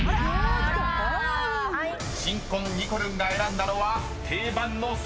［新婚にこるんが選んだのは定番の］